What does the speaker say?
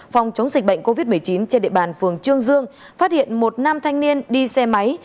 phòng chống dịch bệnh covid một mươi chín trên địa bàn phường trương dương phát hiện một nam thanh niên đi xe máy